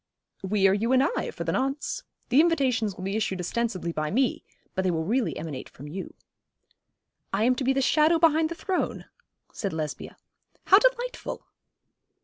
'We are you and I, for the nonce. The invitations will be issued ostensibly by me, but they will really emanate from you.' 'I am to be the shadow behind the throne,' said Lesbia. 'How delightful!'